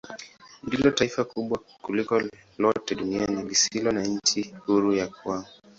Ndilo taifa kubwa kuliko lote duniani lisilo na nchi huru ya kwao.